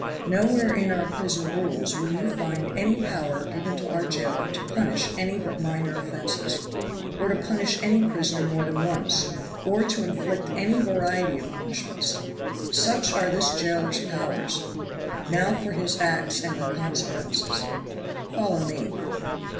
Nowhere in our prison rules will you find any power given to our jailer to punish any but minor offenses, or to punish any prisoner more than once, or to inflict any variety of punishments. Such are this jailer's powers now for his acts and their consequences follow me."